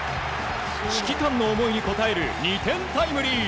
指揮官の思いに応える２点タイムリー。